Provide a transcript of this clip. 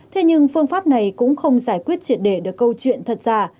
thế nhưng phương pháp này cũng không giải quyết triệt để được câu chuyện thật ra